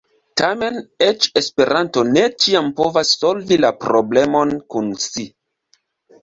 Tamen, eĉ Esperanto ne ĉiam povas solvi la problemon kun "si".